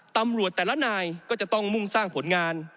ตำรวจแต่ละนายก็จะต้องมุ่งสร้างผลงาน